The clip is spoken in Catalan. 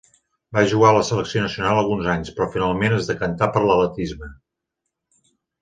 Va jugar a la selecció nacional alguns anys, però finalment es decantà per l'atletisme.